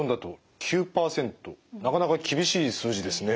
なかなか厳しい数字ですね。